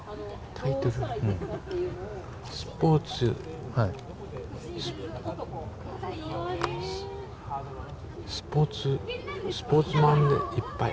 タイトルスポーツスポーツスポーツマンでいっぱい。